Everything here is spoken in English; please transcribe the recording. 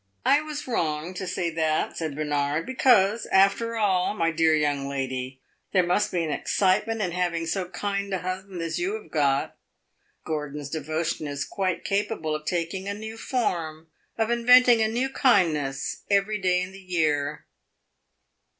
"I was wrong to say that," said Bernard, "because, after all, my dear young lady, there must be an excitement in having so kind a husband as you have got. Gordon's devotion is quite capable of taking a new form of inventing a new kindness every day in the year."